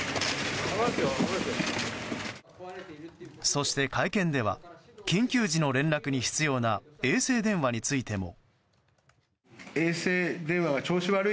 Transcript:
そして会見では緊急時の連絡に必要な衛星電話についても。